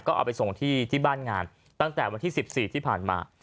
ก็เอาไปส่งที่บ้านงานตั้งแต่วันที่๑๔ที่ผ่านมา